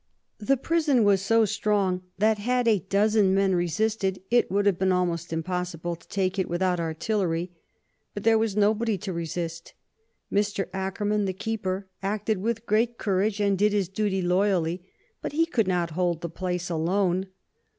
The prison was so strong that, had a dozen men resisted, it would have been almost impossible to take it without artillery. But there was nobody to resist. Mr. Akerman, the keeper, acted with great courage, and did his duty loyally, but he could not hold the place alone.